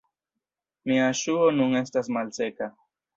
Mia ŝuo nun estas malseka